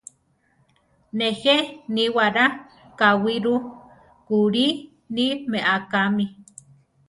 Nejé níwara káwi ru? Kulí ni méakami.